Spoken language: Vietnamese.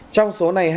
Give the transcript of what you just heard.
trong số này